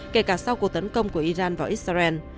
kể cả sau cuộc tấn công của iran vào israel